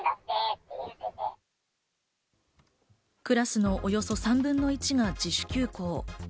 クラスのおよそ３分の１が自主休校。